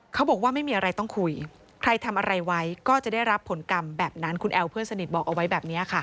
เขาบอกว่าไม่มีอะไรต้องคุยใครทำอะไรไว้ก็จะได้รับผลกรรมแบบนั้นคุณแอลเพื่อนสนิทบอกเอาไว้แบบนี้ค่ะ